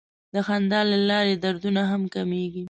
د خندا له لارې دردونه هم کمېږي.